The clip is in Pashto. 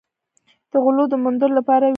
د غلو د موندلو لپاره وینې بهېږي.